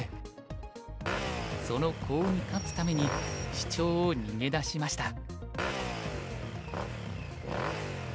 そのコウに勝つためにシチョウを逃げ出しました。